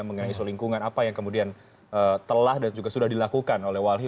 mengenai isu lingkungan apa yang kemudian telah dan juga sudah dilakukan oleh walhi